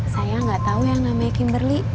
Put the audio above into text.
saya gak tau yang namanya kimberly